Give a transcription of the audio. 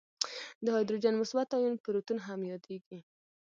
د هایدروجن مثبت آیون پروتون هم یادیږي.